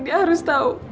dia harus tahu